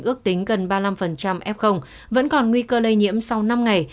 ước tính gần ba mươi năm f vẫn còn nguy cơ lây nhiễm sau năm ngày